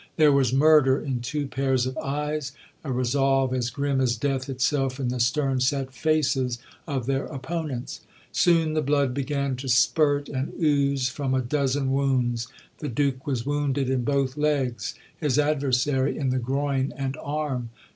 There was murder in two pairs of eyes, a resolve as grim as death itself in the stern set faces of their opponents. Soon the blood began to spurt and ooze from a dozen wounds; the Duke was wounded in both legs; his adversary in the groin and arm.